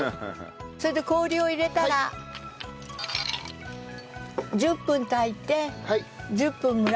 それで氷を入れたら１０分炊いて１０分蒸らしてください。